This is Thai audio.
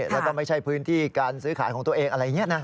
แล้วก็ไม่ใช่พื้นที่การซื้อขายของตัวเองอะไรอย่างนี้นะ